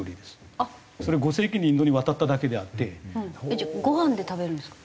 じゃあご飯で食べるんですか？